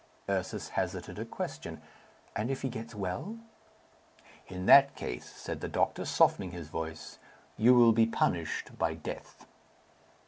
Ursus hazarded a question. "And if he gets well?" "In that case," said the doctor, softening his voice, "you will be punished by death."